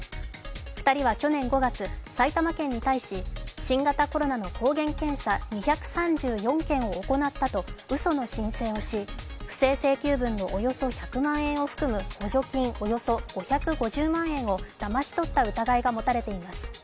２人は去年５月、埼玉県に対し新型コロナの抗原検査２３４件を行ったとうその申請をし、不正請求分のおよそ１００万円を含む補助金およそ５５０万円をだまし取った疑いが持たれています。